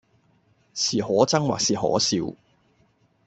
是可憎或是可笑，